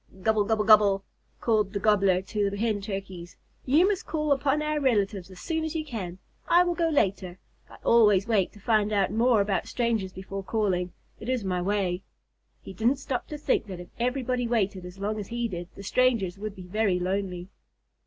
"Gobble gobble gobble," called the Gobbler to the Hen Turkeys. "You must call upon our relatives as soon as you can. I will go later. I always wait to find out more about strangers before calling. It is my way." He didn't stop to think that if everybody waited as long as he did, the strangers would be very lonely.